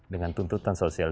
dengan tuntutan sosial